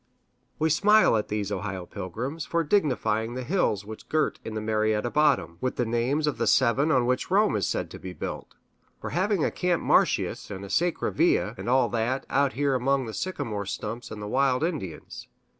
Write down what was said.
We smile at these Ohio pilgrims, for dignifying the hills which girt in the Marietta bottom, with the names of the seven on which Rome is said to be built for having a Campus Martius and a Sacra Via, and all that, out here among the sycamore stumps and the wild Indians.